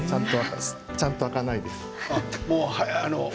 ちゃんと開かないんです。